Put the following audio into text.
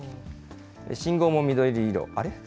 信号も緑色、あれ？